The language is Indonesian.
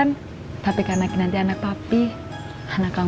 kita bisa bantu can get aukan